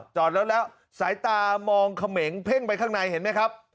จอดแล้วแล้วสายตามองเขมงเพ่งไปข้างในเห็นไหมครับ